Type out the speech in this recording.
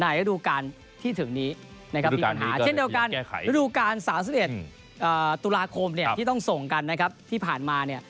ระดูการที่ถึงนี้นะครับมีปัญหาเช่นเดียวกันฤดูการ๓๑ตุลาคมเนี่ยที่ต้องส่งกันนะครับที่ผ่านมาเนี่ย